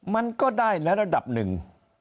มันก็ได้ในระดับหนึ่ง